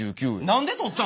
何で取った？